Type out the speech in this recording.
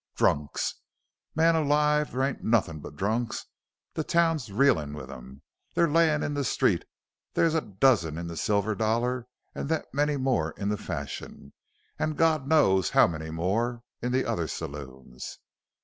Drunks! Man alive there ain't nothin' but drunks; the town's reelin' with 'em! They're layin' in the street; there's a dozen in the Silver Dollar an' that many more in the Fashion an' Gawd knows how many more in the other saloons.